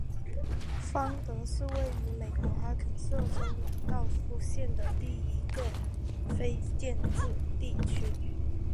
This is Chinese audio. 芬德是位于美国阿肯色州兰道夫县的一个非建制地区。